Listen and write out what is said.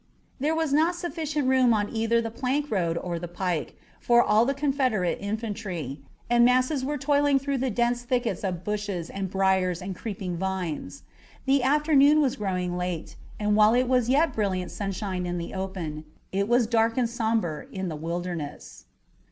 There was not sufficient room on either the plank road or the pike for all the Confederate infantry, and masses were toiling through the dense thickets of bushes and briars and creeping vines. The afternoon was growing late, and while it was yet brilliant sunshine in the open, it was dark and somber in the Wilderness.